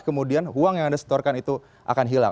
kemudian uang yang anda setorkan itu akan hilang